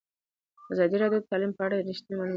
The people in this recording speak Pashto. ازادي راډیو د تعلیم په اړه رښتیني معلومات شریک کړي.